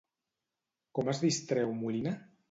Com es distreu Molina?